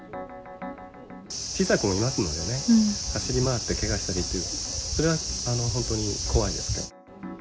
小さい子もいますのでね、走り回ってけがしたりっていう、それは本当に怖いですから。